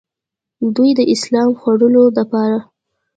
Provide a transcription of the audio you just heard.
دوي د اسلام خورولو دپاره